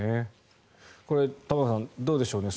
これ、玉川さんどうでしょうね